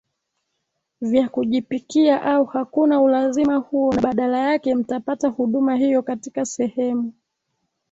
vya kujipikia au hakuna ulazima huo na badala yake mtapata huduma hiyo katika sehemu